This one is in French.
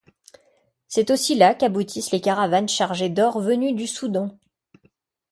C'est aussi là qu'aboutissent les caravanes chargées d'or venu du Soudan.